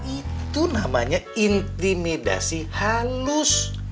itu namanya intimidasi halus